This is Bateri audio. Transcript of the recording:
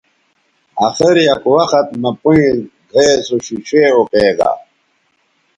اخر یک وخت مہ پئیں گھئے سو ݜیݜے اوکیگا